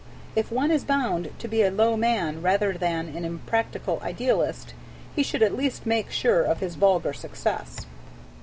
If one is bound to be a low man rather than an impractical idealist, he should at least make sure of his vulgar success.